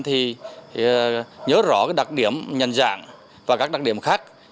thì nhớ rõ đặc điểm nhận dạng và các đặc điểm khác